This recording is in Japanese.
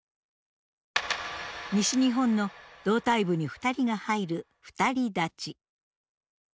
西日本の胴体部に二人が入る「二人立ち」。